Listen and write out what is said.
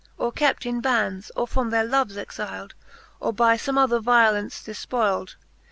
Or kept in bands, or from their loves exyled, Or by fome other violence defpoyled.